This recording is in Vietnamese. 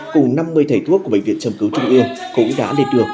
cùng năm mươi thầy thuốc của bệnh viện châm cứu trung ương cũng đã lên được